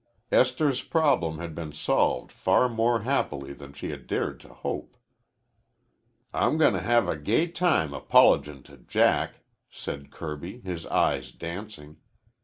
Esther's problem had been solved far more happily than she had dared to hope. "I'm goin' to have a gay time apologizin' to Jack," said Kirby, his eyes dancing.